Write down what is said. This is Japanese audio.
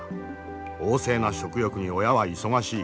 旺盛な食欲に親は忙しい。